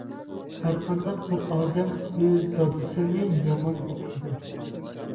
ھەر قانداق بىر ئادەم ئۆز دادىسىنى يامان دېمەيدۇ.